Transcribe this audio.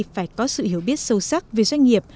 phải có sự hiểu biết sâu sắc về doanh nghiệp